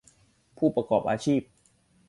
ผู้ประกอบอาชีพ